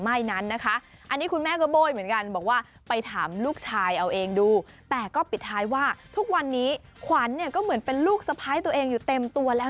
ไม่เคยมีปัญหากับคุณแม่น้องขวัญอยู่แล้ว